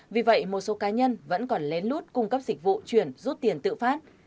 vì vậy một số cá nhân vẫn còn lén lút cung cấp dịch vụ chuyển rút tiền tự phát